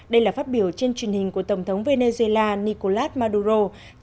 đây là phát biểu trên truyền hình của tổng thống venezuela nicolas maduro